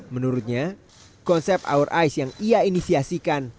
menurutnya konsep our ice yang ia inisiasikan